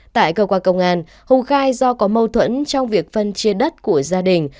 tại cơ quan công an hùng khai do có mâu thuẫn trong việc phân chia đất của gia đình